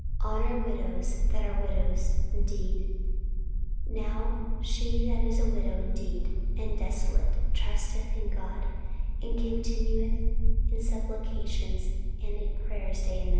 "Honour widows that are widows indeed. Now, she that is a widow indeed and desolate, trusteth in God, and continueth in supplications and in prayers night and day.